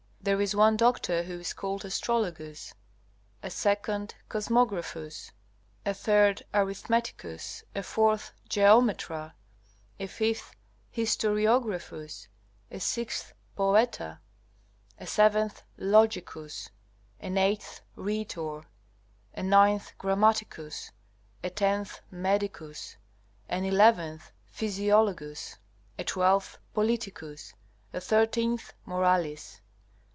There is one doctor who is called Astrologus; a second, Cosmographus; a third, Arithmeticus; a fourth, Geometra; a fifth, Historiographus; a sixth, Poeta; a seventh, Logicus; an eighth, Rhetor; a ninth, Grammaticus; a tenth, Medicus; an eleventh, Physiologus; a twelfth, Politicus; a thirteenth, Moralis.